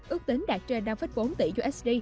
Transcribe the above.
ước tính đạt trên năm bốn tỷ usd